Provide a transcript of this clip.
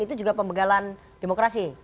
itu juga pembegalan demokrasi